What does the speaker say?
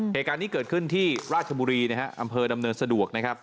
เหตุการณ์นี้เกิดขึ้นที่ราชบุรีนะฮะอำเภอดำเนินสะดวกนะครับ